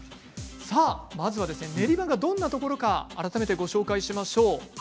まずは練馬がどんなところか改めてご紹介しましょう。